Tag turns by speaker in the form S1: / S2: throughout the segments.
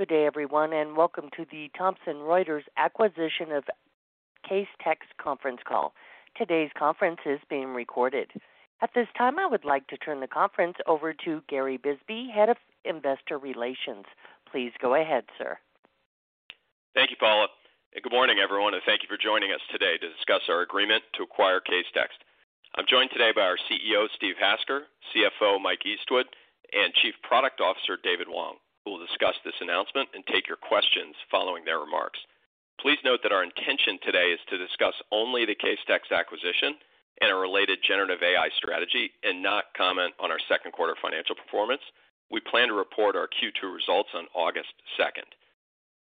S1: Good day, everyone. Welcome to the Thomson Reuters acquisition of Casetext conference call. Today's conference is being recorded. At this time, I would like to turn the conference over to Gary Bisbee, Head of Investor Relations. Please go ahead, sir.
S2: Thank you, Paula. Good morning, everyone, thank you for joining us today to discuss our agreement to acquire Casetext. I'm joined today by our CEO, Steve Hasker, CFO, Mike Eastwood, and Chief Product Officer, David Wong, who will discuss this announcement and take your questions following their remarks. Please note that our intention today is to discuss only the Casetext acquisition and a related generative AI strategy and not comment on our second quarter financial performance. We plan to report our Q2 results on August second.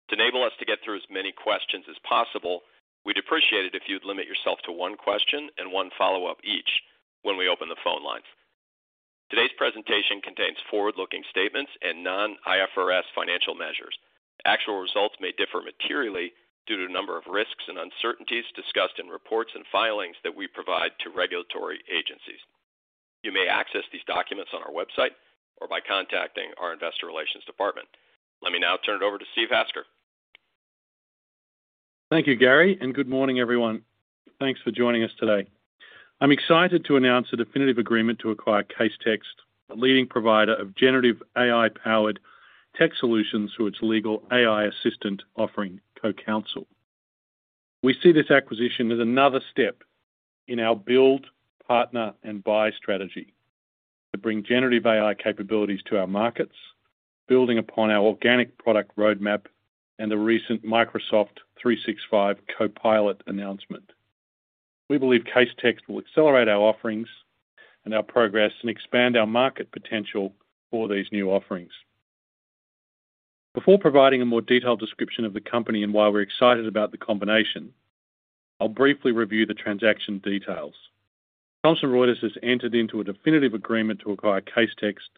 S2: To enable us to get through as many questions as possible, we'd appreciate it if you'd limit yourself to one question and one follow-up each when we open the phone lines. Today's presentation contains forward-looking statements and non-IFRS financial measures. Actual results may differ materially due to a number of risks and uncertainties discussed in reports and filings that we provide to regulatory agencies. You may access these documents on our website or by contacting our Investor Relations department. Let me now turn it over to Steve Hasker.
S3: Thank you, Gary. Good morning, everyone. Thanks for joining us today. I'm excited to announce a definitive agreement to acquire Casetext, a leading provider of generative AI-powered tech solutions through its legal AI assistant offering, CoCounsel. We see this acquisition as another step in our build, partner, and buy strategy to bring generative AI capabilities to our markets, building upon our organic product roadmap and the recent Microsoft 365 Copilot announcement. We believe Casetext will accelerate our offerings and our progress and expand our market potential for these new offerings. Before providing a more detailed description of the company and why we're excited about the combination, I'll briefly review the transaction details. Thomson Reuters has entered into a definitive agreement to acquire Casetext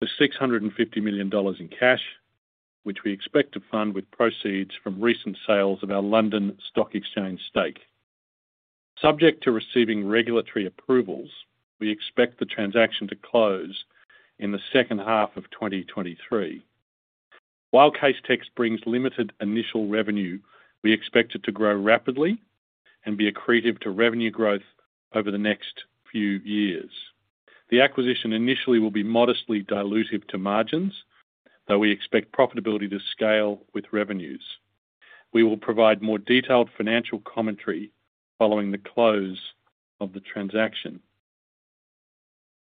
S3: for $650 million in cash, which we expect to fund with proceeds from recent sales of our London Stock Exchange stake. Subject to receiving regulatory approvals, we expect the transaction to close in the second half of 2023. While Casetext brings limited initial revenue, we expect it to grow rapidly and be accretive to revenue growth over the next few years. The acquisition initially will be modestly dilutive to margins, though we expect profitability to scale with revenues. We will provide more detailed financial commentary following the close of the transaction.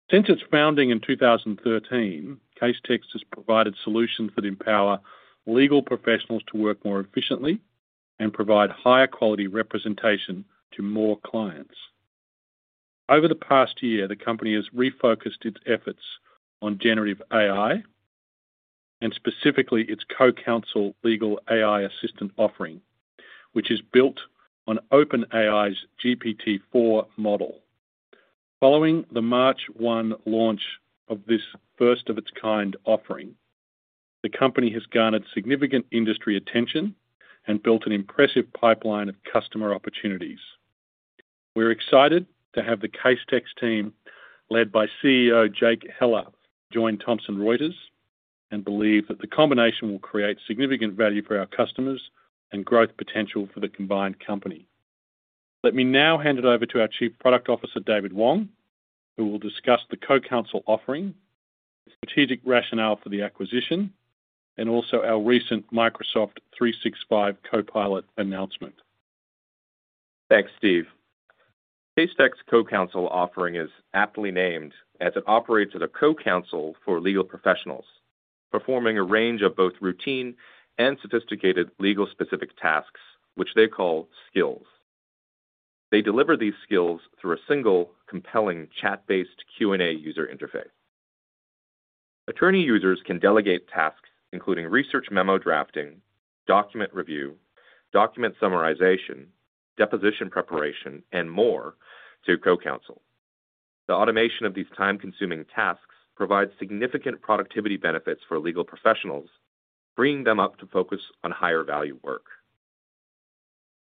S3: Since its founding in 2013, Casetext has provided solutions that empower legal professionals to work more efficiently and provide higher quality representation to more clients. Over the past year, the company has refocused its efforts on generative AI, and specifically its CoCounsel legal AI assistant offering, which is built on OpenAI's GPT-4 model. Following the March 1 launch of this first-of-its-kind offering, the company has garnered significant industry attention and built an impressive pipeline of customer opportunities. We're excited to have the Casetext team, led by CEO Jake Heller, join Thomson Reuters, and believe that the combination will create significant value for our customers and growth potential for the combined company. Let me now hand it over to our Chief Product Officer, David Wong, who will discuss the CoCounsel offering, strategic rationale for the acquisition, and also our recent Microsoft 365 Copilot announcement.
S4: Thanks, Steve. Casetext's CoCounsel offering is aptly named as it operates as a co-counsel for legal professionals, performing a range of both routine and sophisticated legal-specific tasks, which they call skills. They deliver these skills through a single compelling chat-based Q&A user interface. Attorney users can delegate tasks, including research memo drafting, document review, document summarization, deposition preparation, and more to CoCounsel. The automation of these time-consuming tasks provides significant productivity benefits for legal professionals, freeing them up to focus on higher-value work.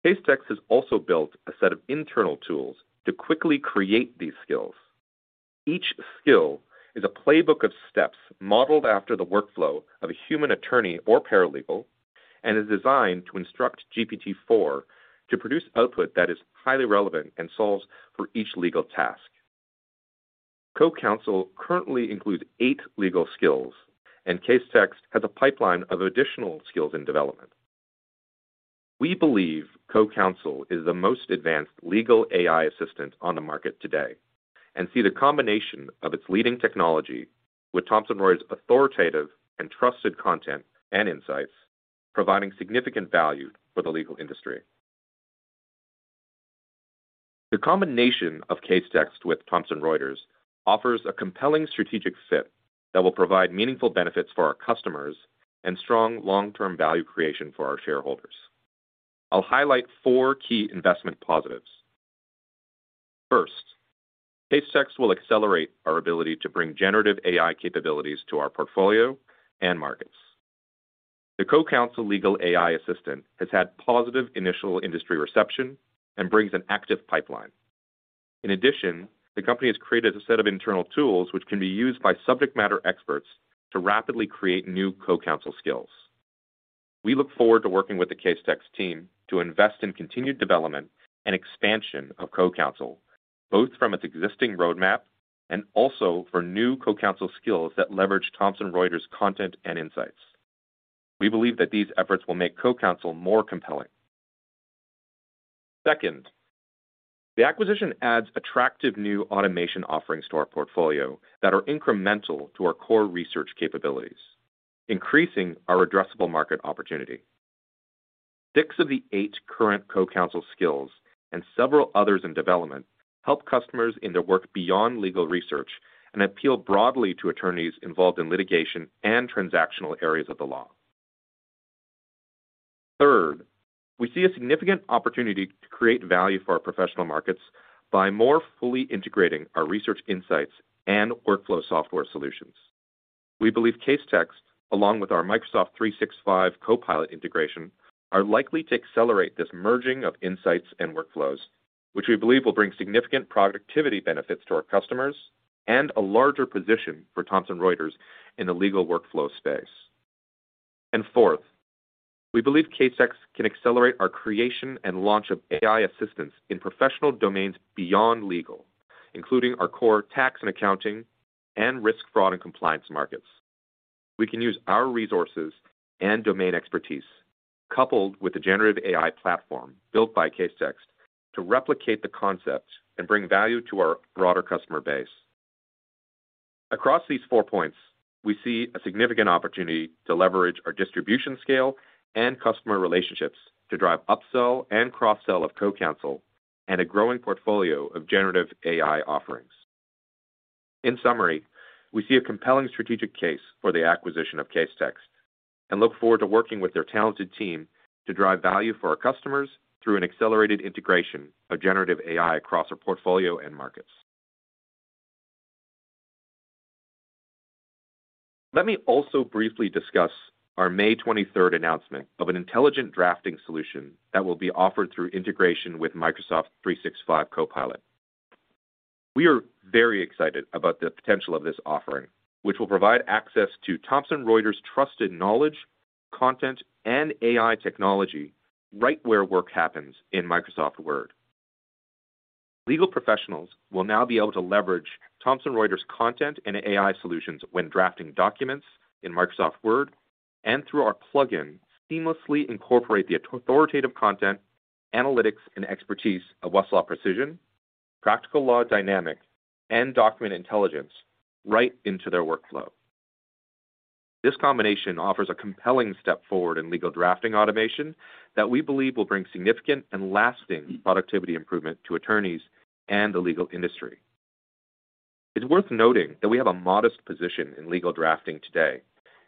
S4: Casetext has also built a set of internal tools to quickly create these skills. Each skill is a playbook of steps modeled after the workflow of a human attorney or paralegal, and is designed to instruct GPT-4 to produce output that is highly relevant and solves for each legal task. CoCounsel currently includes eight legal skills, and Casetext has a pipeline of additional skills in development. We believe CoCounsel is the most advanced legal AI assistant on the market today, and see the combination of its leading technology with Thomson Reuters' authoritative and trusted content and insights, providing significant value for the legal industry. The combination of Casetext with Thomson Reuters offers a compelling strategic fit that will provide meaningful benefits for our customers and strong long-term value creation for our shareholders. I'll highlight four key investment positives. First, Casetext will accelerate our ability to bring generative AI capabilities to our portfolio and markets. The CoCounsel legal AI assistant has had positive initial industry reception and brings an active pipeline. In addition, the company has created a set of internal tools which can be used by subject matter experts to rapidly create new CoCounsel skills. We look forward to working with the Casetext team to invest in continued development and expansion of CoCounsel, both from its existing roadmap and also for new CoCounsel skills that leverage Thomson Reuters content and insights. We believe that these efforts will make CoCounsel more compelling. The acquisition adds attractive new automation offerings to our portfolio that are incremental to our core research capabilities, increasing our addressable market opportunity. Six of the eight current CoCounsel skills and several others in development, help customers in their work beyond legal research and appeal broadly to attorneys involved in litigation and transactional areas of the law. We see a significant opportunity to create value for our professional markets by more fully integrating our research insights and workflow software solutions. We believe Casetext, along with our Microsoft 365 Copilot integration, are likely to accelerate this merging of insights and workflows, which we believe will bring significant productivity benefits to our customers and a larger position for Thomson Reuters in the legal workflow space. Fourth, we believe Casetext can accelerate our creation and launch of AI assistance in professional domains beyond legal, including our core tax and accounting and risk, fraud, and compliance markets. We can use our resources and domain expertise, coupled with the generative AI platform built by Casetext, to replicate the concept and bring value to our broader customer base. Across these four points, we see a significant opportunity to leverage our distribution scale and customer relationships to drive upsell and cross-sell of CoCounsel and a growing portfolio of generative AI offerings. In summary, we see a compelling strategic case for the acquisition of Casetext and look forward to working with their talented team to drive value for our customers through an accelerated integration of generative AI across our portfolio and markets. Let me also briefly discuss our May 23rd announcement of an intelligent drafting solution that will be offered through integration with Microsoft 365 Copilot. We are very excited about the potential of this offering, which will provide access to Thomson Reuters trusted knowledge, content, and AI technology, right where work happens in Microsoft Word. Legal professionals will now be able to leverage Thomson Reuters content and AI solutions when drafting documents in Microsoft Word. Through our plugin, seamlessly incorporate the authoritative content, analytics, and expertise of Westlaw Precision, Practical Law Dynamics, and Document Intelligence right into their workflow. This combination offers a compelling step forward in legal drafting automation that we believe will bring significant and lasting productivity improvement to attorneys and the legal industry. It's worth noting that we have a modest position in legal drafting today,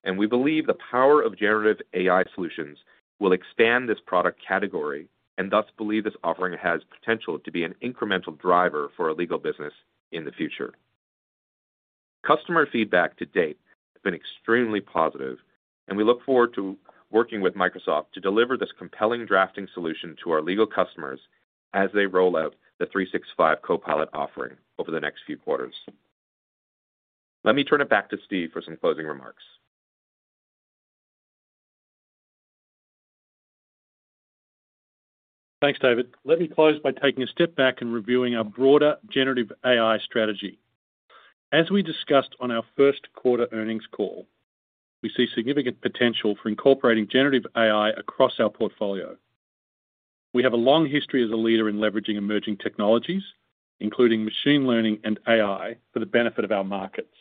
S4: and we believe the power of generative AI solutions will expand this product category and thus believe this offering has potential to be an incremental driver for our legal business in the future. Customer feedback to date has been extremely positive, and we look forward to working with Microsoft to deliver this compelling drafting solution to our legal customers as they roll out the 365 Copilot offering over the next few quarters. Let me turn it back to Steve for some closing remarks.
S3: Thanks, David. Let me close by taking a step back and reviewing our broader generative AI strategy. As we discussed on our first quarter earnings call, we see significant potential for incorporating generative AI across our portfolio. We have a long history as a leader in leveraging emerging technologies, including machine learning and AI, for the benefit of our markets.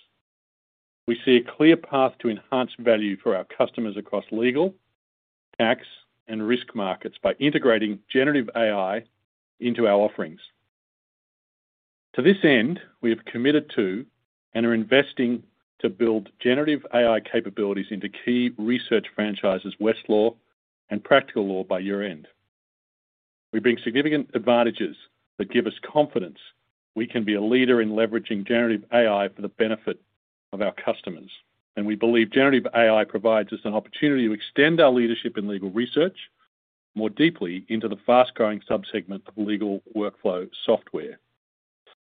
S3: We see a clear path to enhanced value for our customers across legal, tax, and risk markets by integrating generative AI into our offerings. To this end, we have committed to and are investing to build generative AI capabilities into key research franchises, Westlaw and Practical Law by year-end. We bring significant advantages that give us confidence we can be a leader in leveraging generative AI for the benefit of our customers. We believe generative AI provides us an opportunity to extend our leadership in legal research more deeply into the fast-growing sub-segment of legal workflow software.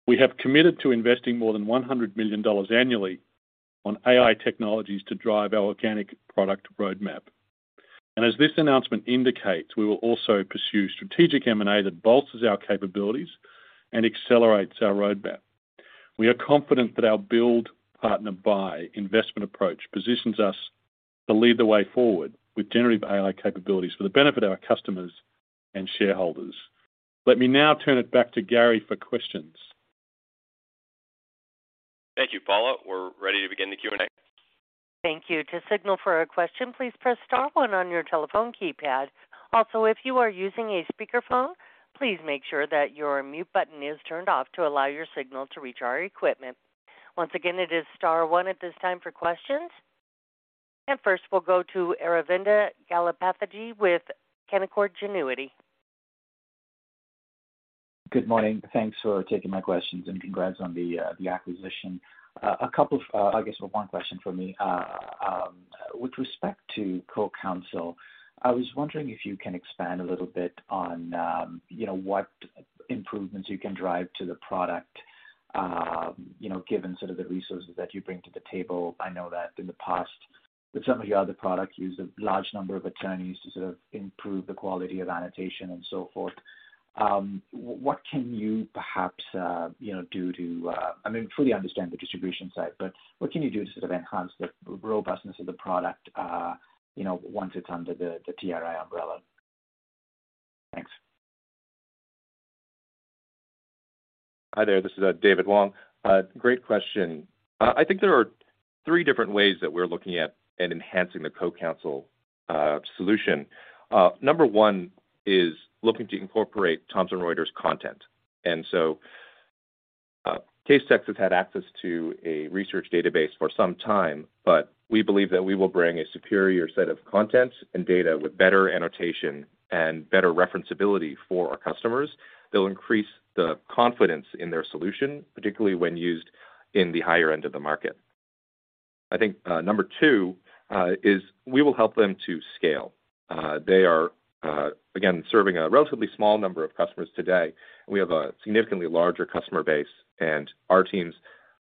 S3: We have committed to investing more than $100 million annually on AI technologies to drive our organic product roadmap. As this announcement indicates, we will also pursue strategic M&A that bolsters our capabilities and accelerates our roadmap. We are confident that our build, partner, buy investment approach positions us to lead the way forward with generative AI capabilities for the benefit of our customers and shareholders. Let me now turn it back to Gary for questions.
S2: Thank you. Follow up, we're ready to begin the Q&A.
S1: Thank you. To signal for a question, please press star one on your telephone keypad. If you are using a speakerphone, please make sure that your mute button is turned off to allow your signal to reach our equipment. Once again, it is star one at this time for questions. First, we'll go to Aravinda Galappatthige with Canaccord Genuity.
S5: Good morning. Thanks for taking my questions, and congrats on the acquisition. I guess one question for me. With respect to CoCounsel, I was wondering if you can expand a little bit on, you know, what improvements you can drive to the product? You know, given sort of the resources that you bring to the table, I know that in the past, with some of your other products, you use a large number of attorneys to sort of improve the quality of annotation and so forth. What can you perhaps, you know, do to, I mean, fully understand the distribution side, but what can you do to sort of enhance the robustness of the product, you know, once it's under the TRI umbrella? Thanks.
S4: Hi there. This is David Wong. Great question. I think there are three different ways that we're looking at in enhancing the CoCounsel solution. Number one is looking to incorporate Thomson Reuters content. Casetext has had access to a research database for some time, but we believe that we will bring a superior set of content and data with better annotation and better reference ability for our customers. They'll increase the confidence in their solution, particularly when used in the higher end of the market. I think, number two, is we will help them to scale. They are, again, serving a relatively small number of customers today. We have a significantly larger customer base, and our teams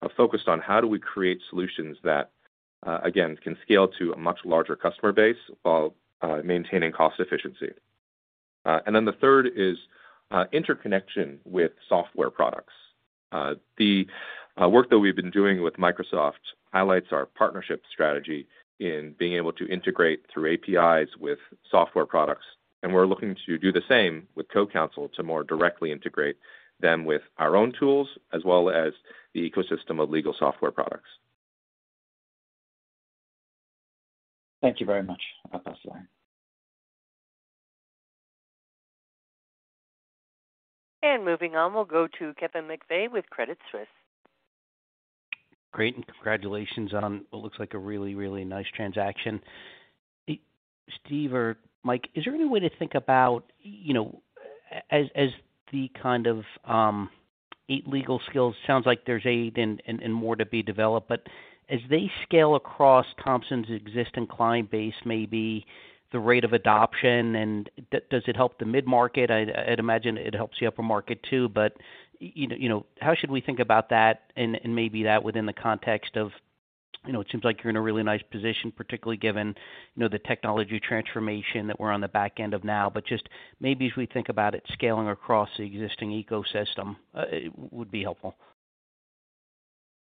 S4: are focused on how do we create solutions that, again, can scale to a much larger customer base while maintaining cost efficiency. Then the third is interconnection with software products. The work that we've been doing with Microsoft highlights our partnership strategy in being able to integrate through APIs with software products, and we're looking to do the same with CoCounsel to more directly integrate them with our own tools, as well as the ecosystem of legal software products.
S5: Thank you very much. I'll pass the line.
S1: Moving on, we'll go to Kevin McVeigh with Credit Suisse.
S6: Great, congratulations on what looks like a really, really nice transaction. Steve or Mike, is there any way to think about, you know, as the kind of eight legal skills? Sounds like there's eight and more to be developed, but as they scale across Thomson's existing client base, maybe the rate of adoption, and does it help the mid-market? I'd imagine it helps the upper market too, but, you know, how should we think about that and maybe that within the context of, you know, it seems like you're in a really nice position, particularly given, you know, the technology transformation that we're on the back end of now, but just maybe if we think about it, scaling across the existing ecosystem would be helpful.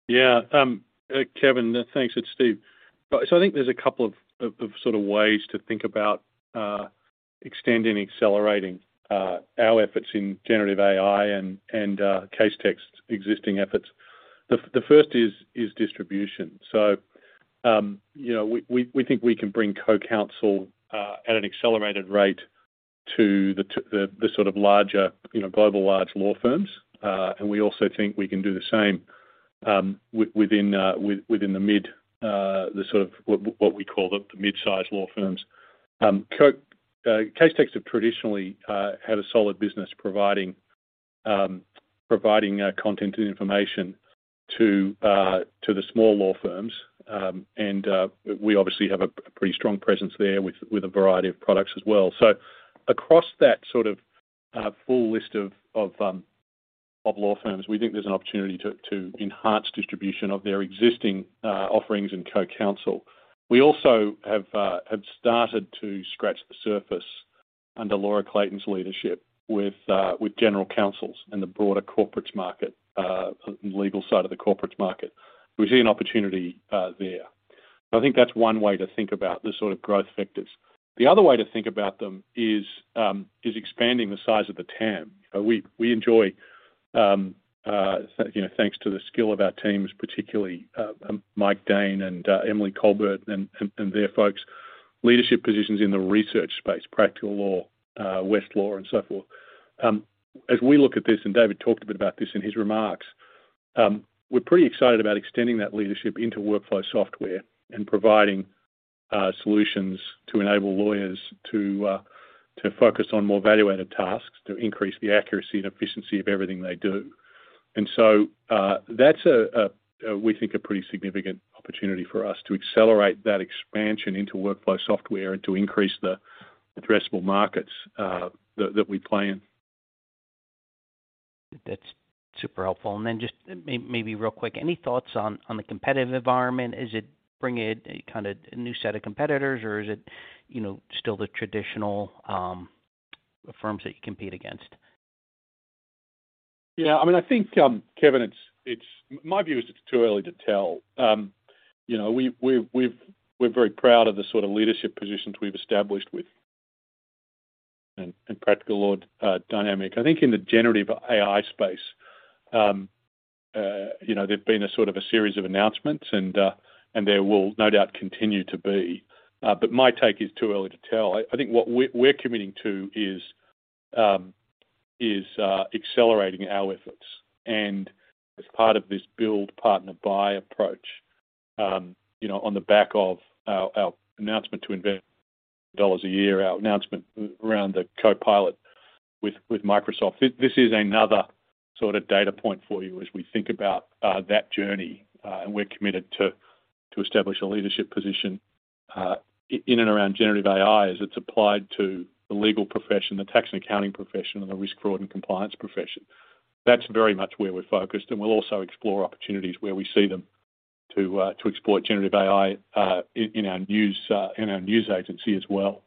S3: Yeah. Kevin, thanks. It's Steve. I think there's a couple of sort of ways to think about extending and accelerating our efforts in generative AI and Casetext's existing efforts. The first is distribution. You know, we think we can bring CoCounsel at an accelerated rate to the sort of larger, you know, global large law firms. We also think we can do the same within within the mid the sort of what we call the mid-sized law firms. Casetext have traditionally had a solid business providing content and information to the small law firms. We obviously have a pretty strong presence there with a variety of products as well. Across that sort of full list of law firms, we think there's an opportunity to enhance distribution of their existing offerings in CoCounsel. We also have started to scratch the surface under Laura Clayton's leadership with general counsels and the broader Corporates market, legal side of the Corporates market. We see an opportunity there. I think that's one way to think about the sort of growth vectors. The other way to think about them is expanding the size of the TAM. We enjoy, you know, thanks to the skill of our teams, particularly Mike Dane and Emily Colbert and their folks, leadership positions in the research space, Practical Law, Westlaw, and so forth. As we look at this, and David talked a bit about this in his remarks, we're pretty excited about extending that leadership into workflow software and providing solutions to enable lawyers to focus on more value-added tasks to increase the accuracy and efficiency of everything they do. That's a, we think, a pretty significant opportunity for us to accelerate that expansion into workflow software and to increase the addressable markets, that we play in.
S6: That's super helpful. Just maybe real quick, any thoughts on the competitive environment? Is it bringing in a kind of a new set of competitors, or is it, you know, still the traditional firms that you compete against?
S3: Yeah, I mean, I think Kevin, my view is it's too early to tell. You know, we're very proud of the sort of leadership positions we've established with and Practical Law Dynamic. I think in the generative AI space, you know, there's been a sort of a series of announcements and there will no doubt continue to be, my take is too early to tell. I think what we're committing to is accelerating our efforts and as part of this build, partner, buy approach, you know, on the back of our announcement to invest dollars a year, our announcement around the copilot with Microsoft, this is another sort of data point for you as we think about that journey, and we're committed to establish a leadership position in and around generative AI as it's applied to the legal profession, the tax and accounting profession, and the risk, fraud, and compliance profession. That's very much where we're focused. We'll also explore opportunities where we see them to explore generative AI in our news, in our news agency as well.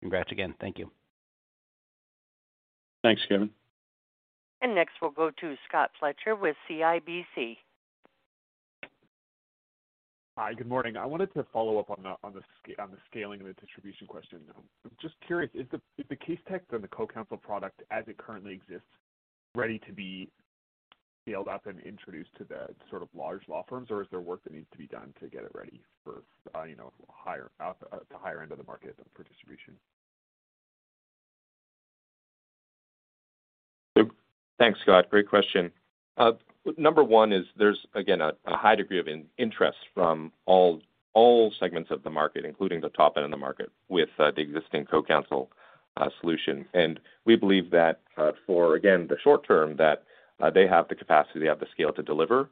S6: Congrats again. Thank you.
S3: Thanks, Kevin.
S1: Next, we'll go to Scott Fletcher with CIBC.
S7: Hi, good morning. I wanted to follow up on the scaling and the distribution question. I'm just curious, is the Casetext and the CoCounsel product, as it currently exists, ready to be scaled up and introduced to the sort of large law firms? Is there work that needs to be done to get it ready for, you know, higher, the higher end of the market for distribution?
S4: Thanks, Scott. Great question. Number one is there's, again, a high degree of interest from all segments of the market, including the top end of the market, with the existing CoCounsel solution. We believe that for, again, the short term, that they have the capacity, they have the scale to deliver.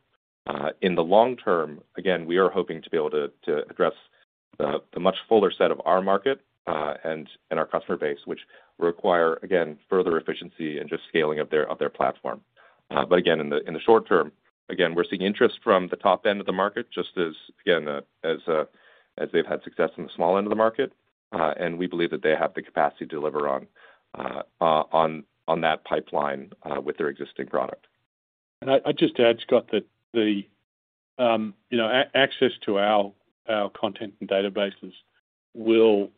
S4: In the long term, again, we are hoping to be able to address the much fuller set of our market and our customer base, which require, again, further efficiency and just scaling of their platform. Again, in the short term, again, we're seeing interest from the top end of the market, just as, again, as they've had success in the small end of the market. We believe that they have the capacity to deliver on that pipeline, with their existing product.
S3: I'd just add, Scott, that the, you know, access to our content and databases will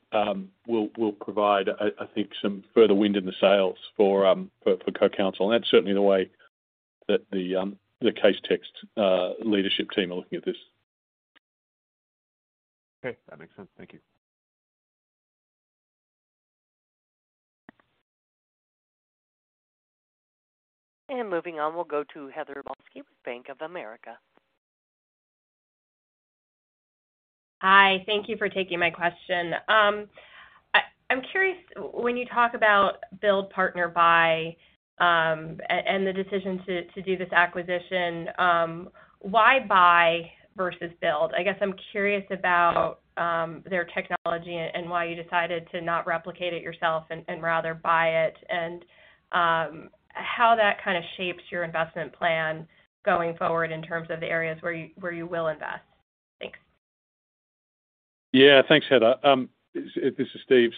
S3: provide, I think, some further wind in the sails for CoCounsel. That's certainly the way that the Casetext leadership team are looking at this.
S7: Okay, that makes sense. Thank you.
S1: Moving on, we'll go to Heather Balsky with Bank of America.
S8: Hi, thank you for taking my question. I'm curious, when you talk about build, partner, buy, and the decision to do this acquisition, why buy versus build? I guess I'm curious about their technology and why you decided to not replicate it yourself and rather buy it, and how that kind of shapes your investment plan going forward in terms of the areas where you will invest. Thanks.
S3: Yeah. Thanks, Heather. This is Steve.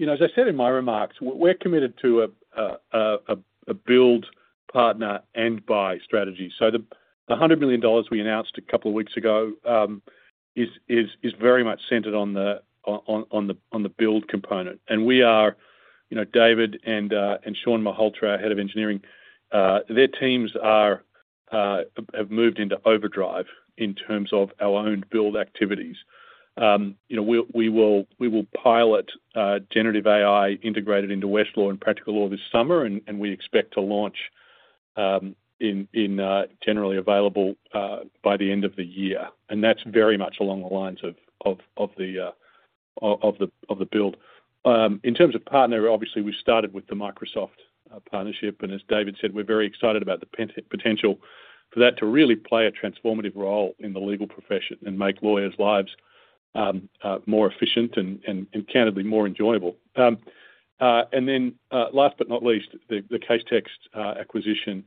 S3: You know, as I said in my remarks, we're committed to a build, partner, and buy strategy. The $100 million we announced a couple of weeks ago is very much centered on the build component. You know, David and Shawn Malhotra, our Head of Engineering, their teams have moved into overdrive in terms of our own build activities. You know, we will pilot generative AI integrated into Westlaw and Practical Law this summer, and we expect to launch generally available by the end of the year, and that's very much along the lines of the build. In terms of partner, obviously, we started with the Microsoft partnership, and as David said, we're very excited about the potential for that to really play a transformative role in the legal profession and make lawyers' lives more efficient and candidly, more enjoyable. Last but not least, the Casetext acquisition.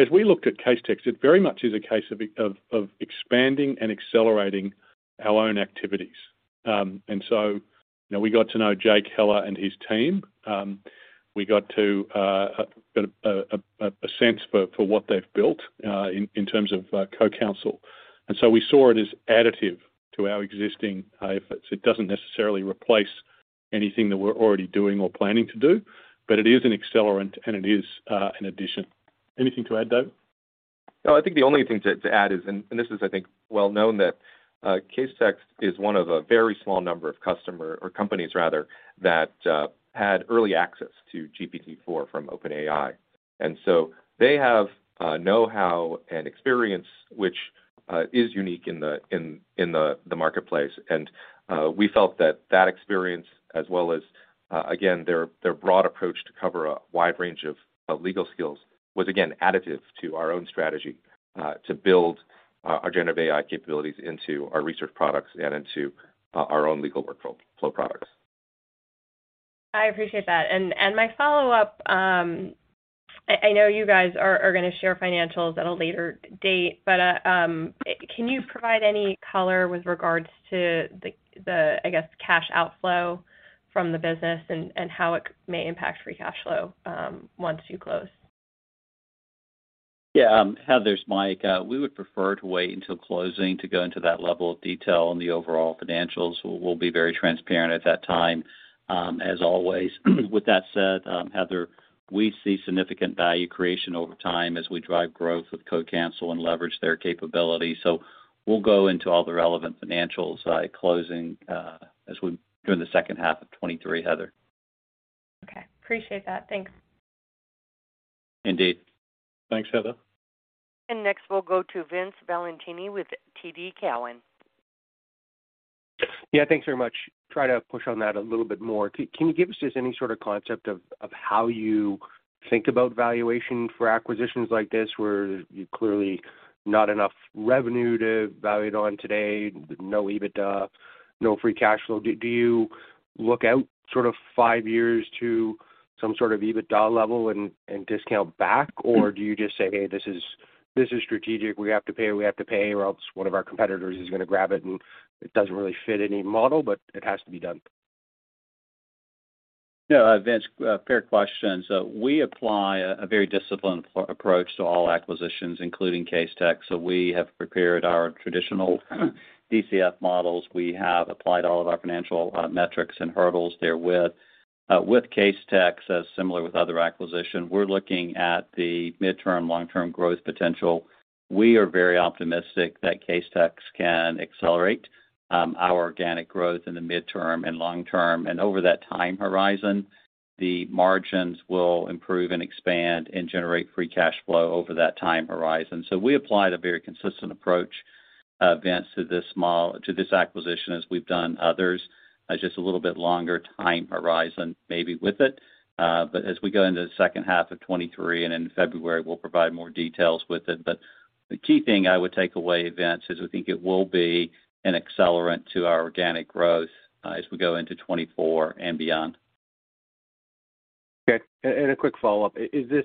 S3: As we looked at Casetext, it very much is a case of expanding and accelerating our own activities. You know, we got to know Jake Heller and his team. We got to a sense for what they've built in terms of CoCounsel, we saw it as additive to our existing efforts. It doesn't necessarily replace anything that we're already doing or planning to do, but it is an accelerant, and it is an addition. Anything to add, Dave?
S4: No, I think the only thing to add is, and this is I think, well known, that Casetext is one of a very small number of customer or companies rather, that had early access to GPT-4 from OpenAI. So they have know-how and experience, which is unique in the marketplace. We felt that that experience, as well as again, their broad approach to cover a wide range of legal skills, was again, additive to our own strategy to build our generative AI capabilities into our research products and into our own legal workflow products.
S8: I appreciate that. My follow-up, I know you guys are gonna share financials at a later date, but, can you provide any color with regards to the, I guess, cash outflow from the business and how it may impact free cash flow, once you close?
S9: Yeah, Heather, it's Mike. We would prefer to wait until closing to go into that level of detail on the overall financials. We'll be very transparent at that time, as always. With that said, Heather, we see significant value creation over time as we drive growth with CoCounsel and leverage their capabilities. We'll go into all the relevant financials by closing, during the second half of 2023, Heather.
S8: Okay. Appreciate that. Thanks.
S9: Indeed.
S3: Thanks, Heather.
S1: Next, we'll go to Vince Valentini with TD Cowen.
S10: Yeah, thanks very much. Try to push on that a little bit more. Can you give us just any sort of concept of how you think about valuation for acquisitions like this, where you clearly not enough revenue to value it on today, no EBITDA, no free cash flow? Do you look out sort of 5 years to some sort of EBITDA level and discount back? Or do you just say: "Hey, this is strategic. We have to pay what we have to pay, or else one of our competitors is going to grab it, and it doesn't really fit any model, but it has to be done.
S9: Vince, fair question. We apply a very disciplined approach to all acquisitions, including Casetext. We have prepared our traditional DCF models. We have applied all of our financial metrics and hurdles therewith. With Casetext, as similar with other acquisition, we're looking at the midterm, long-term growth potential. We are very optimistic that Casetext can accelerate our organic growth in the midterm and long term. Over that time horizon, the margins will improve and expand and generate free cash flow over that time horizon. We applied a very consistent approach, Vince, to this acquisition, as we've done others, just a little bit longer time horizon, maybe with it. As we go into the second half of 2023 and in February, we'll provide more details with it. The key thing I would take away, Vince, is I think it will be an accelerant to our organic growth, as we go into 2024 and beyond.
S10: Okay. A quick follow-up.
S9: Sure.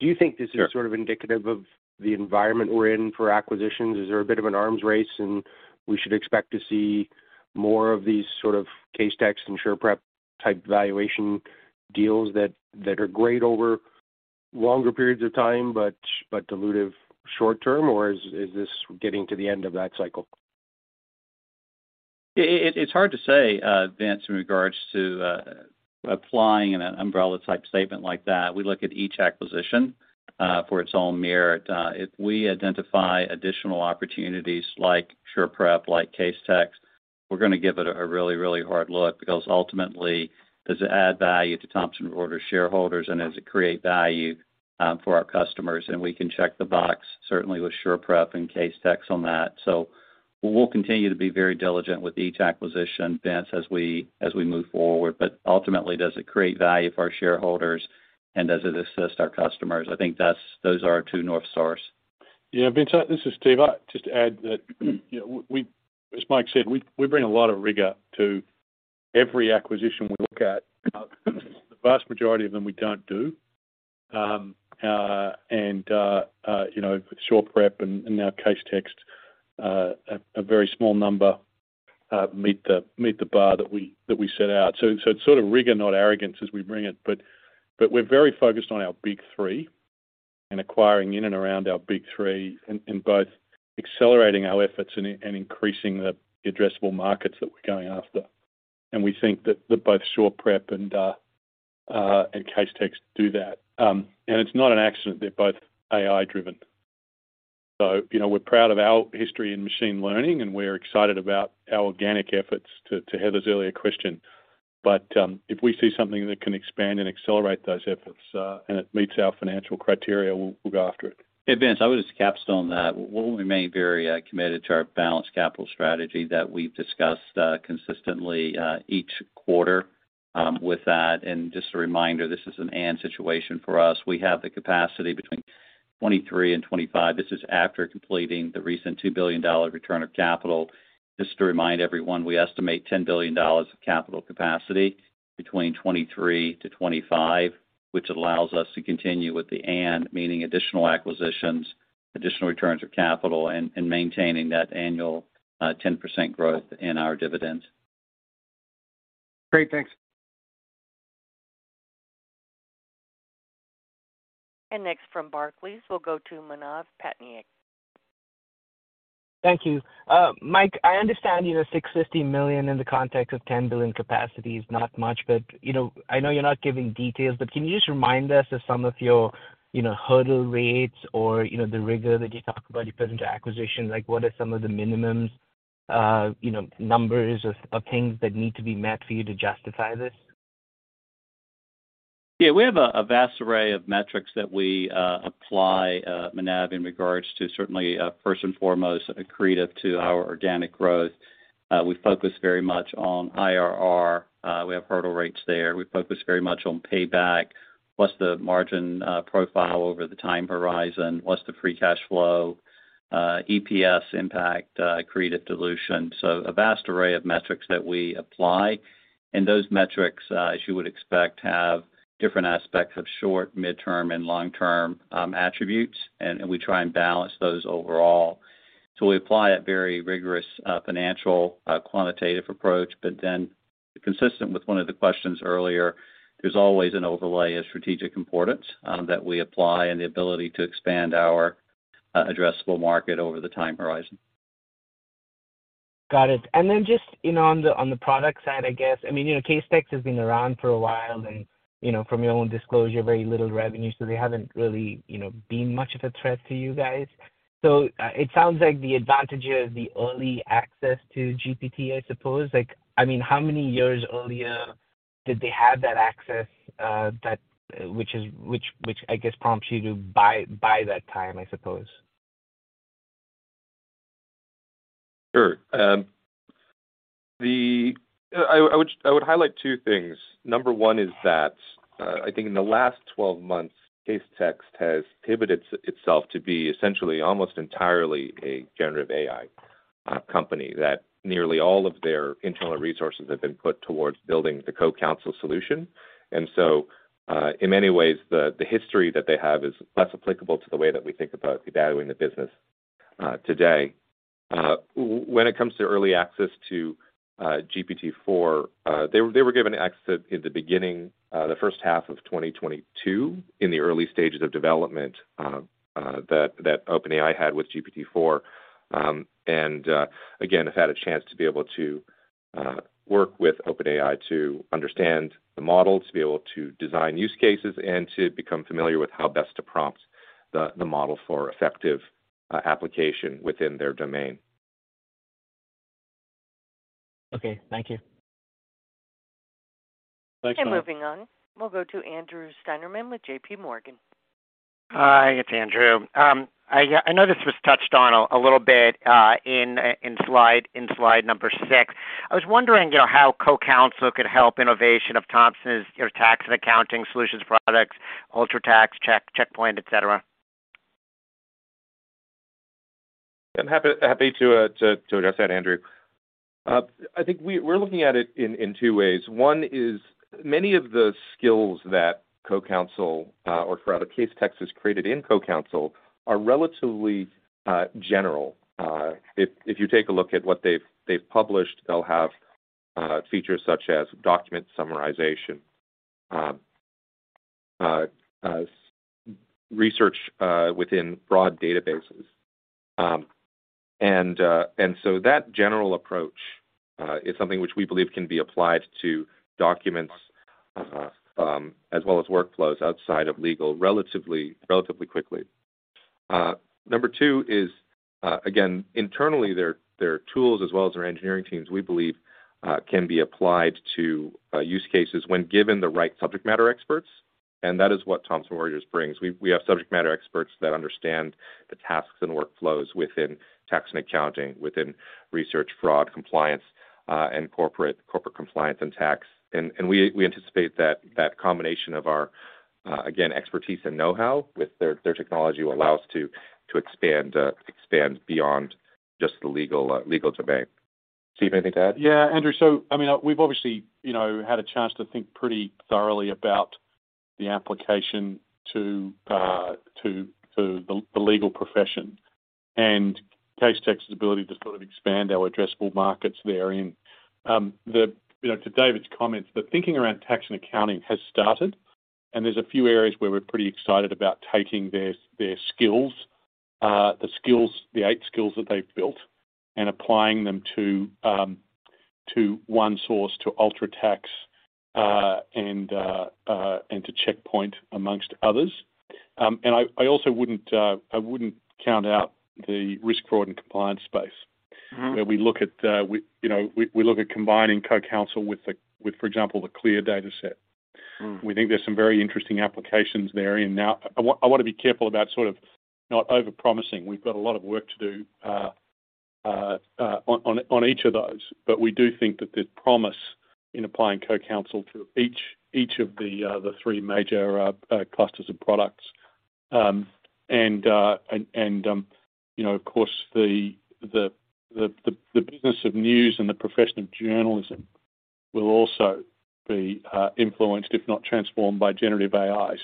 S10: Do you think this is sort of indicative of the environment we're in for acquisitions? Is there a bit of an arms race, and we should expect to see more of these sort of Casetext and SurePrep type valuation deals that are great over longer periods of time, but dilutive short term, or is this getting to the end of that cycle?
S9: It's hard to say, Vince, in regards to applying an umbrella-type statement like that. We look at each acquisition for its own merit. If we identify additional opportunities like SurePrep, like Casetext, we're going to give it a really hard look, because ultimately, does it add value to Thomson Reuters shareholders, and does it create value for our customers? We can check the box, certainly with SurePrep and Casetext on that. We'll continue to be very diligent with each acquisition, Vince, as we move forward, but ultimately, does it create value for our shareholders, and does it assist our customers? I think those are our two north stars.
S3: Yeah, Vince, this is Steve. I'd just add that, you know, as Mike said, we bring a lot of rigor to every acquisition we look at. The vast majority of them, we don't do. You know, SurePrep and now Casetext, a very small number meet the bar that we set out. It's sort of rigor, not arrogance, as we bring it. We're very focused on our big three and acquiring in and around our big three, both accelerating our efforts and increasing the addressable markets that we're going after. We think that both SurePrep and Casetext do that. It's not an accident they're both AI driven. You know, we're proud of our history in machine learning, and we're excited about our organic efforts to Heather's earlier question. If we see something that can expand and accelerate those efforts, and it meets our financial criteria, we'll go after it.
S9: Hey, Vince, I would just capstone that. We remain very committed to our balanced capital strategy that we've discussed consistently each quarter with that. Just a reminder, this is an and situation for us. We have the capacity between 23 and 25. This is after completing the recent $2 billion return of capital. Just to remind everyone, we estimate $10 billion of capital capacity between 23-25, which allows us to continue with the and, meaning additional acquisitions, additional returns of capital, and maintaining that annual 10% growth in our dividends.
S10: Great. Thanks.
S1: Next from Barclays, we'll go to Manav Patnaik.
S11: Thank you. Mike, I understand, you know, $650 million in the context of $10 billion capacity is not much. I know you're not giving details, but can you just remind us of some of your, you know, hurdle rates or, you know, the rigor that you talk about you put into acquisitions? Like, what are some of the minimums, you know, numbers or things that need to be met for you to justify this?
S9: Yeah, we have a vast array of metrics that we apply, Manav, in regards to certainly, first and foremost, accretive to our organic growth. We focus very much on IRR. We have hurdle rates there. We focus very much on payback, what's the margin profile over the time horizon? What's the free cash flow, EPS impact, accretive dilution? A vast array of metrics that we apply. Those metrics, as you would expect, have different aspects of short, midterm, and long-term attributes, and we try and balance those overall. We apply a very rigorous financial quantitative approach, consistent with one of the questions earlier, there's always an overlay of strategic importance that we apply and the ability to expand our addressable market over the time horizon.
S11: Got it. Then just, you know, on the product side, I guess. I mean, you know, Casetext has been around for a while and, you know, from your own disclosure, very little revenue, so they haven't really, you know, been much of a threat to you guys. It sounds like the advantage is the early access to GPT, I suppose. Like, I mean, how many years earlier did they have that access? Which I guess prompts you to buy that time, I suppose?
S4: Sure. I would highlight two things. Number one is that, I think in the last 12 months, Casetext has pivoted itself to be essentially almost entirely a generative AI company, that nearly all of their internal resources have been put towards building the CoCounsel solution. In many ways, the history that they have is less applicable to the way that we think about evaluating the business today. When it comes to early access to GPT-4, they were given access at the beginning, the first half of 2022, in the early stages of development, that OpenAI had with GPT-4. Again, have had a chance to be able to work with OpenAI to understand the model, to be able to design use cases, and to become familiar with how best to prompt the model for effective application within their domain.
S11: Okay, thank you.
S3: Moving on, we'll go to Andrew Steinerman with JPMorgan.
S12: Hi, it's Andrew. I know this was touched on a little bit, in slide number six. I was wondering, you know, how CoCounsel could help innovation of Thomson's or Tax and Accounting Solutions products, UltraTax, Checkpoint, et cetera.
S4: I'm happy to address that, Andrew. I think we're looking at it in two ways. One is many of the skills that CoCounsel or throughout Casetext has created in CoCounsel are relatively general. If you take a look at what they've published, they'll have features such as document summarization, research within broad databases. That general approach is something which we believe can be applied to documents as well as workflows outside of legal, relatively quickly. Number two is again, internally, their tools as well as their engineering teams, we believe, can be applied to use cases when given the right subject matter experts, and that is what Thomson Reuters brings. We have subject matter experts that understand the tasks and workflows within tax and accounting, within research, fraud, compliance, and corporate compliance and tax. We anticipate that that combination of our again, expertise and know-how with their technology will allow us to expand beyond just the legal domain. Steve, anything to add?
S3: Yeah, Andrew. I mean, we've obviously, you know, had a chance to think pretty thoroughly about the application to the legal profession and Casetext's ability to sort of expand our addressable markets there in. You know, to David's comments, the thinking around tax and accounting has started. There's a few areas where we're pretty excited about taking their skills, the eight skills that they've built, and applying them to ONESOURCE, to UltraTax, and to Checkpoint, amongst others. I also wouldn't count out the risk, fraud, and compliance space where we look at, we, you know, we look at combining CoCounsel with, for example, the CLEAR dataset.
S12: Mm.
S3: We think there's some very interesting applications there. Now, I want to be careful about sort of not over-promising. We've got a lot of work to do on each of those, but we do think that there's promise in applying CoCounsel to each of the three major clusters of products. You know, of course, the business of news and the profession of journalism will also be influenced, if not transformed, by generative AI.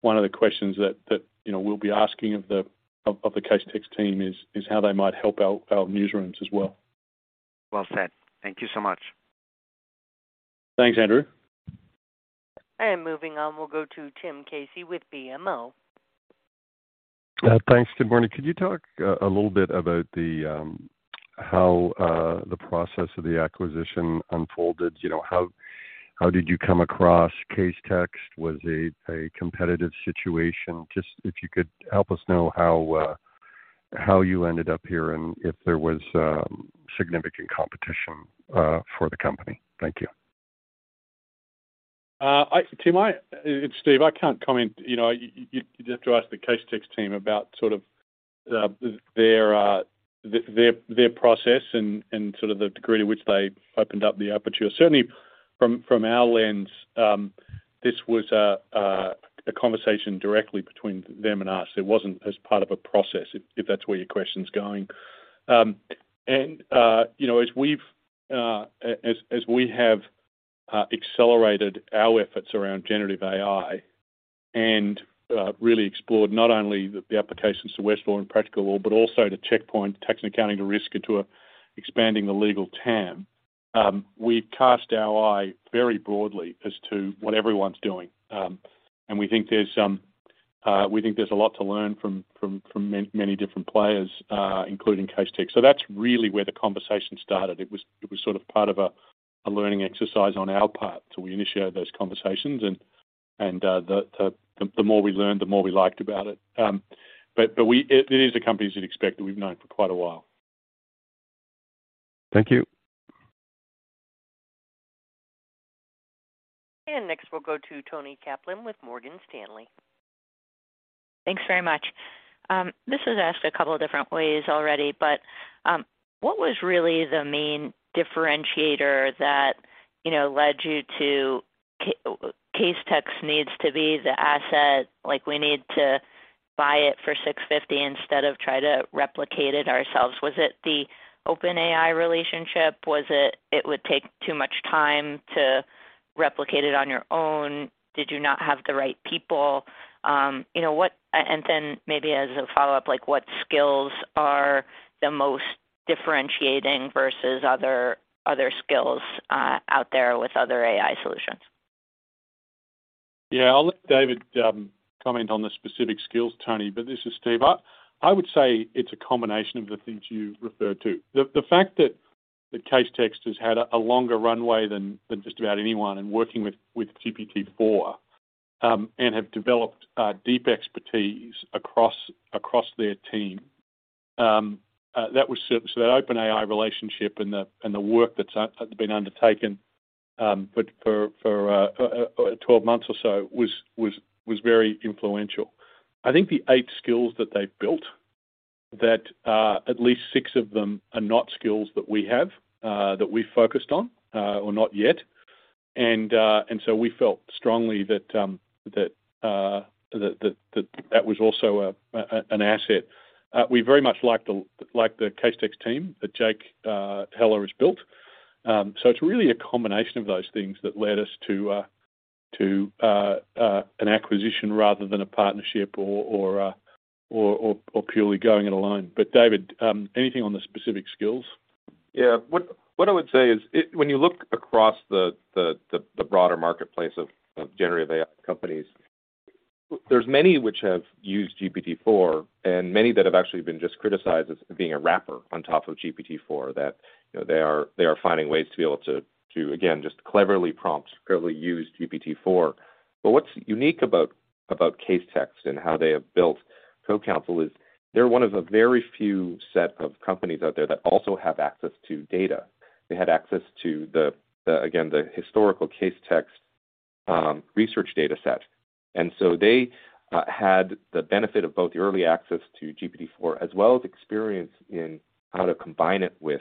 S3: One of the questions that, you know, we'll be asking of the Casetext team is how they might help our newsrooms as well.
S12: Well said. Thank you so much.
S3: Thanks, Andrew.
S1: Moving on, we'll go to Tim Casey with BMO.
S13: Thanks. Good morning. Could you talk a little bit about how the process of the acquisition unfolded? You know, how did you come across Casetext? Was it a competitive situation? Just if you could help us know how you ended up here and if there was significant competition for the company. Thank you.
S3: Tim, it's Steve. I can't comment. You know, you'd have to ask the Casetext team about sort of their process and sort of the degree to which they opened up the aperture. Certainly, from our lens, this was a conversation directly between them and us. It wasn't as part of a process, if that's where your question's going. You know, as we've as we have accelerated our efforts around Generative AI and really explored not only the applications to Westlaw and Practical Law, but also to Checkpoint, tax and accounting, to risk, and to expanding the legal TAM, we've cast our eye very broadly as to what everyone's doing. We think there's a lot to learn from many different players, including Casetext. That's really where the conversation started. It was sort of part of a learning exercise on our part, so we initiated those conversations and the more we learned, the more we liked about it. It is a company, as you'd expect, that we've known for quite a while.
S13: Thank you.
S9: We'll go to Toni Kaplan with Morgan Stanley.
S14: Thanks very much. This was asked a couple of different ways already, but what was really the main differentiator that, you know, led you to Casetext needs to be the asset, like, we need to buy it for $650 instead of try to replicate it ourselves? Was it the OpenAI relationship? Was it would take too much time to replicate it on your own? Did you not have the right people? You know what and then maybe as a follow-up, like, what skills are the most differentiating versus other skills out there with other AI solutions?
S3: Yeah, I'll let David comment on the specific skills, Toni. This is Steve. I would say it's a combination of the things you referred to. The fact that the Casetext has had a longer runway than just about anyone and working with GPT-4 and have developed deep expertise across their team. That was so that OpenAI relationship and the work that's been undertaken for 12 months or so was very influential. I think the 8 skills that they've built, that at least 6 of them are not skills that we have that we've focused on or not yet. We felt strongly that that was also an asset. We very much liked the Casetext team that Jake Heller has built. It's really a combination of those things that led us to an acquisition rather than a partnership or purely going it alone. David, anything on the specific skills?
S4: What I would say is when you look across the broader marketplace of generative AI companies, there's many which have used GPT-4, and many that have actually been just criticized as being a wrapper on top of GPT-4, that, you know, they are finding ways to be able to again, just cleverly prompt, cleverly use GPT-4. What's unique about Casetext and how they have built CoCounsel is they're one of a very few set of companies out there that also have access to data. They had access to the again, the historical Casetext research dataset. They had the benefit of both the early access to GPT-4, as well as experience in how to combine it with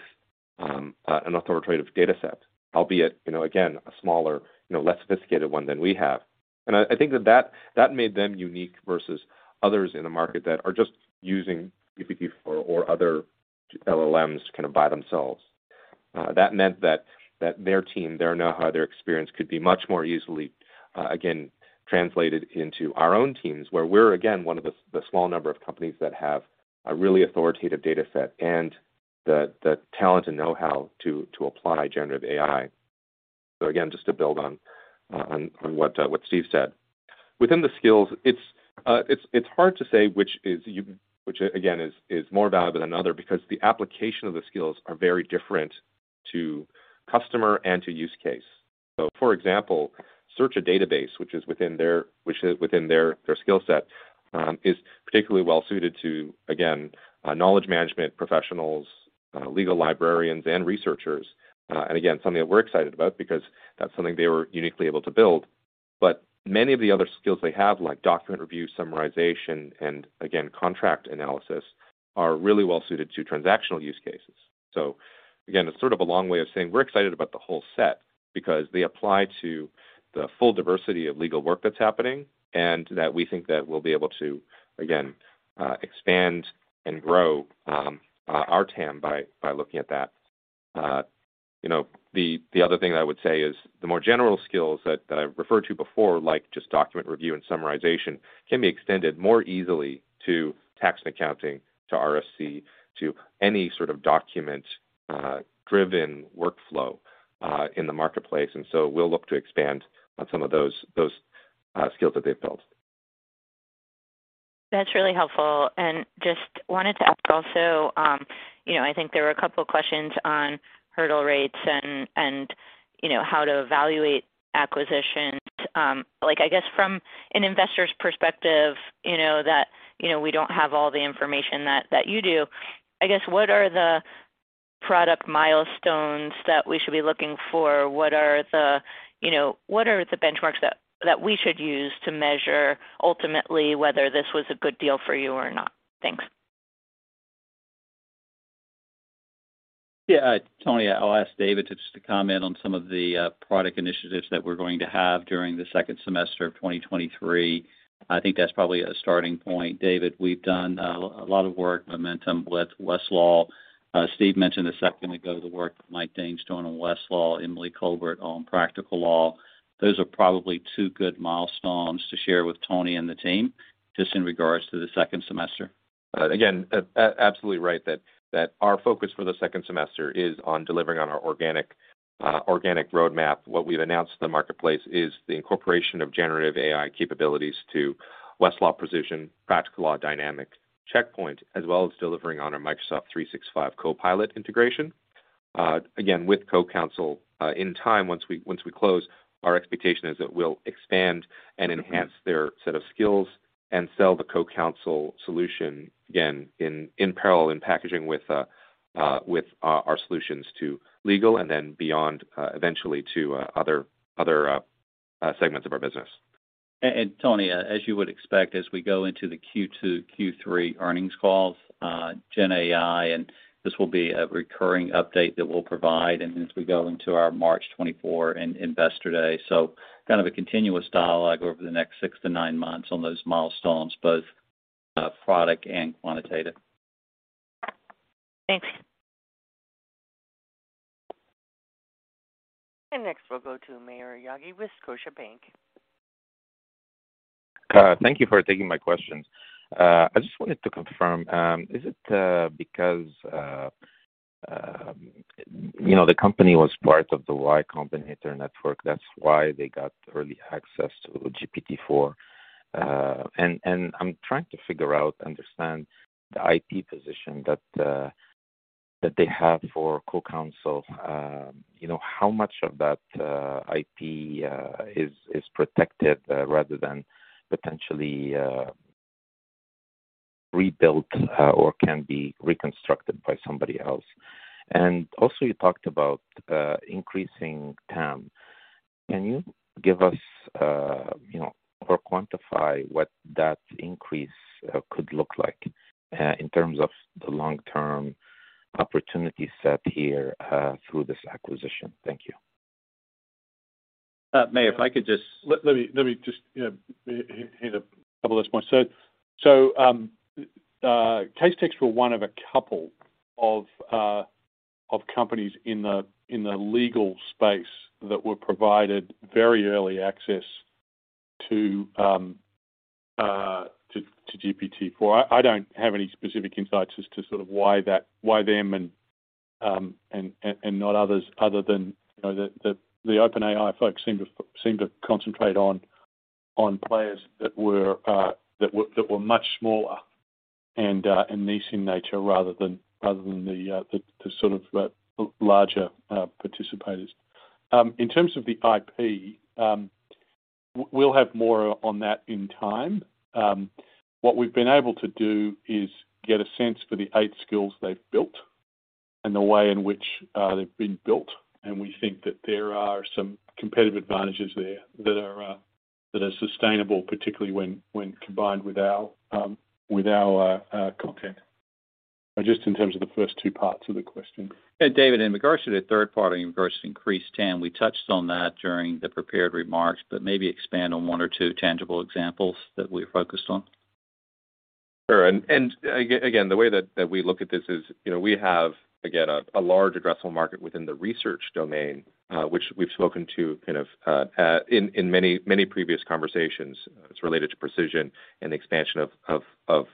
S4: an authoritative dataset, albeit, you know, again, a smaller, you know, less sophisticated one than we have. I think that made them unique versus others in the market that are just using GPT-4 or other LLMs kind of by themselves. That meant that their team, their know-how, their experience, could be much more easily again translated into our own teams, where we're, again, one of the small number of companies that have a really authoritative dataset and the talent and know-how to apply generative AI. Again, just to build on what Steve said. Within the skills, it's hard to say which, again, is more valuable than another because the application of the skills are very different to customer and to use case. For example, search a database, which is within their skill set, is particularly well suited to, again, knowledge management professionals, legal librarians and researchers. Again, something that we're excited about because that's something they were uniquely able to build. Many of the other skills they have, like document review, summarization, and again, contract analysis, are really well suited to transactional use cases. Again, it's sort of a long way of saying we're excited about the whole set because they apply to the full diversity of legal work that's happening, and that we think that we'll be able to, again, expand and grow our TAM by looking at that. You know, the other thing I would say is the more general skills that I referred to before, like just document review and summarization, can be extended more easily to tax and accounting, to RSC, to any sort of document driven workflow in the marketplace. We'll look to expand on some of those skills that they've built.
S14: That's really helpful. Just wanted to ask also, you know, I think there were a couple questions on hurdle rates and, you know, how to evaluate acquisitions. Like, I guess from an investor's perspective, you know, that, you know, we don't have all the information that you do. I guess, what are the product milestones that we should be looking for? What are the, you know, what are the benchmarks that we should use to measure ultimately whether this was a good deal for you or not? Thanks.
S9: Toni, I'll ask David just to comment on some of the product initiatives that we're going to have during the second semester of 2023. I think that's probably a starting point. David, we've done a lot of work, momentum with Westlaw. Steve mentioned a second ago the work that Mike Dahn doing on Westlaw, Emily Colbert on Practical Law. Those are probably two good milestones to share with Toni and the team, just in regards to the second semester.
S4: Absolutely right, that our focus for the second semester is on delivering on our organic roadmap. What we've announced to the marketplace is the incorporation of generative AI capabilities to Westlaw Precision, Practical Law Dynamics, Checkpoint, as well as delivering on our Microsoft 365 Copilot integration. Again, with CoCounsel, in time, once we close, our expectation is that we'll expand and enhance their set of skills and sell the CoCounsel solution again in parallel, in packaging with our solutions to legal and then beyond, eventually to other segments of our business.
S9: Tony, as you would expect, as we go into the Q2, Q3 earnings calls, Gen AI, and this will be a recurring update that we'll provide and as we go into our March 2024 Investor Day. Kind of a continuous dialogue over the next six to nine months on those milestones, both product and quantitative.
S15: Thanks.
S1: Next, we'll go to Maher Yaghi with Scotiabank.
S16: Thank you for taking my questions. I just wanted to confirm, you know, the company was part of the Y Combinator network, that's why they got early access to GPT-4? I'm trying to figure out, understand the IP position that they have for CoCounsel. You know, how much of that IP is protected, rather than potentially rebuilt or can be reconstructed by somebody else? You talked about increasing TAM. Can you give us, you know, or quantify what that increase could look like in terms of the long-term opportunity set here through this acquisition? Thank you.
S9: May, if I could just-
S3: Let me just, you know, hit a couple of those points. Casetext were one of a couple of companies in the legal space that were provided very early access to GPT-4. I don't have any specific insights as to sort of why them and not others, other than, you know, the OpenAI folks seemed to concentrate on players that were much smaller and niche in nature, rather than the sort of larger participators. In terms of the IP, we'll have more on that in time. What we've been able to do is get a sense for the eight skills they've built and the way in which they've been built, and we think that there are some competitive advantages there that are that are sustainable, particularly when combined with our with our content. Just in terms of the first two parts of the question.
S9: David, in regards to the third-party, regards to increased TAM, we touched on that during the prepared remarks, but maybe expand on one or two tangible examples that we're focused on.
S4: Sure. Again, the way that we look at this is, you know, we have, again, a large addressable market within the research domain, which we've spoken to kind of in many previous conversations. It's related to precision and the expansion of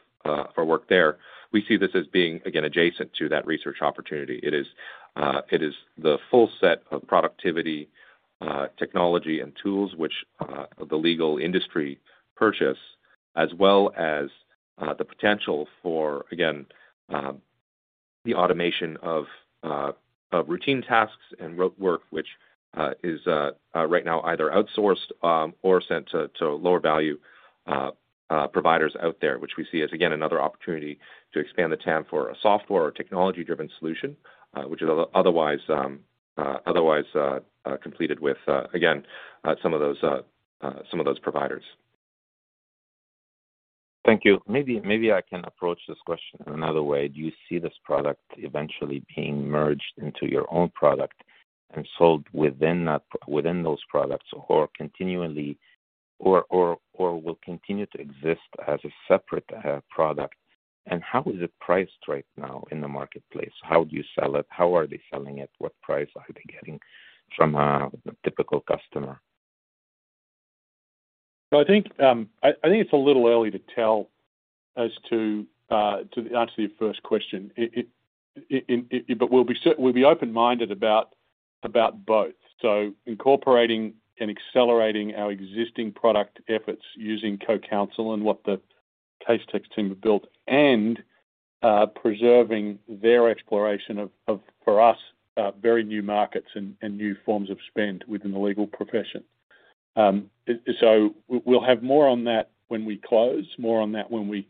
S4: our work there. We see this as being, again, adjacent to that research opportunity. It is the full set of productivity, technology and tools which the legal industry purchase, as well as the potential for, again, the automation of routine tasks and rote work, which is right now either outsourced, or sent to lower value providers out there, which we see as, again, another opportunity to expand the TAM for a software or technology-driven solution, which is otherwise completed with again some of those providers.
S16: Thank you. Maybe I can approach this question in another way. Do you see this product eventually being merged into your own product and sold within those products, or will continue to exist as a separate product? How is it priced right now in the marketplace? How do you sell it? How are they selling it? What price are they getting from the typical customer?
S3: I think, I think it's a little early to tell as to to answer your first question. We'll be open-minded about both. Incorporating and accelerating our existing product efforts using CoCounsel and what the Casetext team have built and preserving their exploration of for us very new markets and new forms of spend within the legal profession. We'll have more on that when we close, more on that when we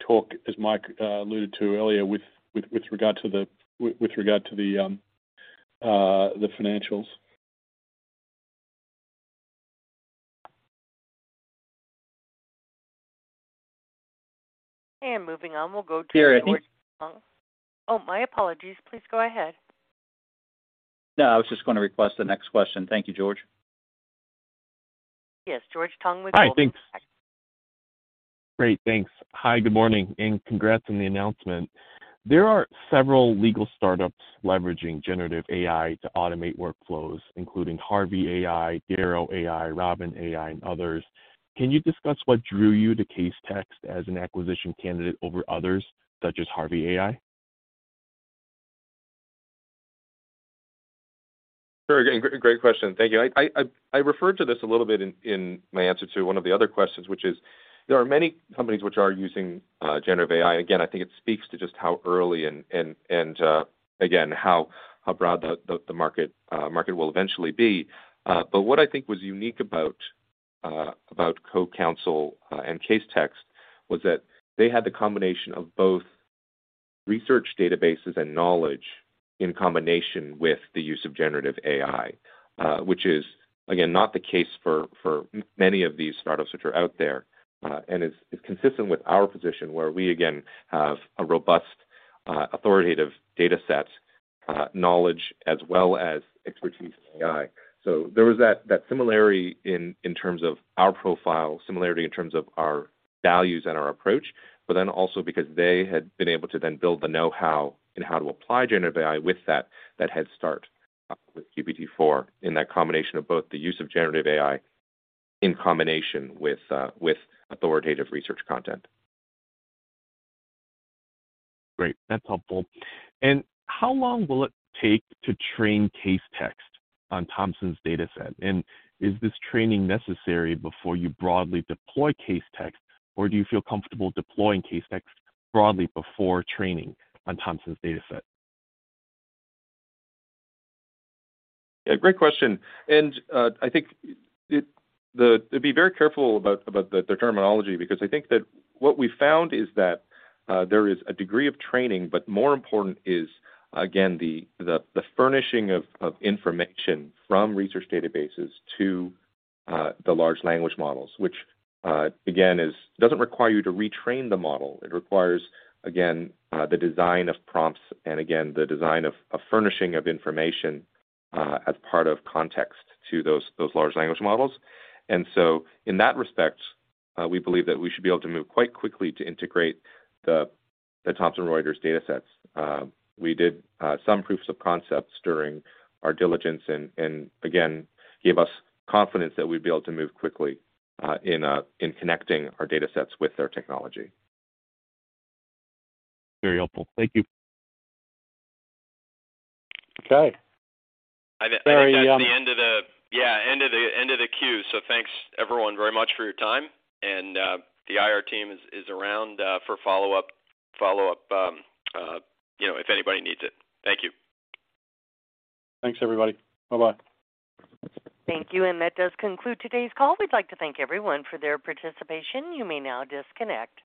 S3: talk, as Mike alluded to earlier, with regard to the financials.
S1: moving on, we'll go to... Oh, my apologies. Please go ahead.
S9: No, I was just going to request the next question. Thank you, George.
S1: Yes, George Tong with-
S15: Hi, thanks. Great, thanks. Hi, good morning. Congrats on the announcement. There are several legal startups leveraging generative AI to automate workflows, including Harvey AI, Darrow AI, Robin AI, and others. Can you discuss what drew you to Casetext as an acquisition candidate over others such as Harvey AI?
S4: Sure. Great question. Thank you. I referred to this a little bit in my answer to one of the other questions, which is, there are many companies which are using Generative AI. Again, I think it speaks to just how early and again, how broad the market will eventually be. What I think was unique about CoCounsel and Casetext was that they had the combination of both research databases and knowledge in combination with the use of Generative AI, which is, again, not the case for many of these startups which are out there. It's consistent with our position, where we, again, have a robust, authoritative data set, knowledge, as well as expertise in AI. There was that similarity in terms of our profile, similarity in terms of our values and our approach, but then also because they had been able to then build the know-how and how to apply generative AI with that head start with GPT-4 in that combination of both the use of generative AI in combination with authoritative research content.
S15: Great, that's helpful. How long will it take to train Casetext on Thomson's dataset? Is this training necessary before you broadly deploy Casetext, or do you feel comfortable deploying Casetext broadly before training on Thomson's dataset?
S4: Yeah, great question. I think to be very careful about the terminology, because I think that what we found is that there is a degree of training, but more important is, again, the furnishing of information from research databases to the large language models. Which, again, doesn't require you to retrain the model. It requires, again, the design of prompts and again, the design of furnishing of information as part of context to those large language models. In that respect, we believe that we should be able to move quite quickly to integrate the Thomson Reuters datasets. We did, some proofs of concepts during our diligence, and again, gave us confidence that we'd be able to move quickly, in connecting our datasets with their technology.
S15: Very helpful. Thank you.
S2: I think that's the end of the queue. Thanks, everyone, very much for your time, and the IR team is around for follow-up, you know, if anybody needs it. Thank you.
S3: Thanks, everybody. Bye-bye.
S1: Thank you. That does conclude today's call. We'd like to thank everyone for their participation. You may now disconnect.